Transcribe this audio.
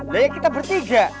lah ya kita bertiga